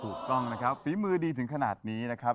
ถูกต้องนะครับฝีมือดีถึงขนาดนี้นะครับ